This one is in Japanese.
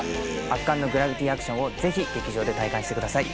圧巻のグラビティ・アクションをぜひ劇場で体感してください。